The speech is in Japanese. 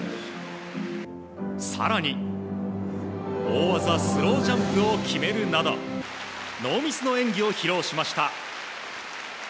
更に大技スロージャンプを決めるなどノーミスの演技を披露しました。